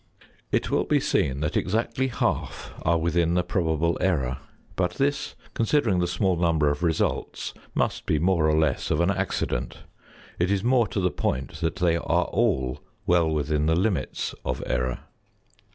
It will be seen that exactly half are within the probable error; but this, considering the small number of results, must be more or less of an accident; it is more to the point they are all well within the limits of error.